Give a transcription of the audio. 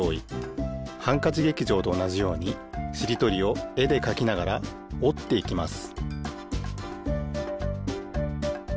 「ハンカチ劇場」とおなじようにしりとりをえでかきながらおっていきます